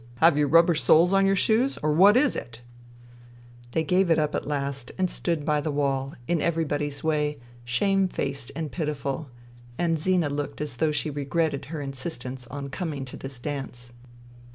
Have you rubber soles on your shoes ? Or what is it ^' They gave it up at last and stood by the wall, in everybody's way, shamefaced and pitiful ; and Zina looked as though she regretted her insistence on coming to this dance.